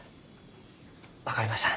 分かりました。